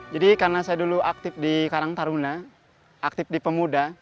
jadi karena saya dulu aktif di karang taruna aktif di pemuda